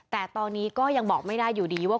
แต่ตอนนี้ก็ยังบอกไม่ได้อยู่ดีว่า